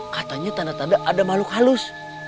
katanya tanda tanda ada makhluk halus